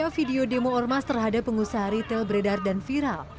video demo ormas terhadap pengusaha ritel beredar dan viral